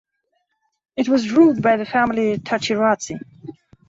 It was ruled by the family Tachiratsi.